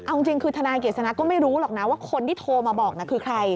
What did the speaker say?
เอาจริงคือทนายเกษณะก็ไม่รู้หรอกนะว่าคนที่โทรมาบอกคือใคร